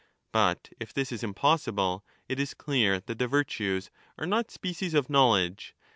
But if this is impossible, it is clear that the 1246* virtues are not species of knowledge.